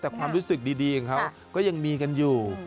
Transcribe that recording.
แต่ความรู้สึกดีของเขาก็ยังมีกันอยู่